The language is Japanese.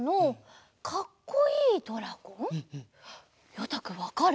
ようたくんわかる？